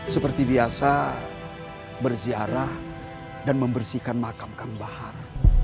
seperti biasa bersiarah dan membersihkan makam makam bahar